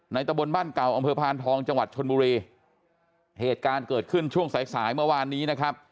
ตะบนบ้านเก่าอำเภอพานทองจังหวัดชนบุรีเหตุการณ์เกิดขึ้นช่วงสายสายเมื่อวานนี้นะครับ